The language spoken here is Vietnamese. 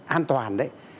an toàn đấy